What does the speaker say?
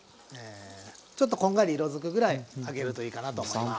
ちょっとこんがり色づくぐらい揚げるといいかなと思います。